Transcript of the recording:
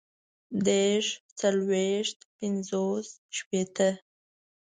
ديرشو، څلويښتو، پنځوسو، شپيتو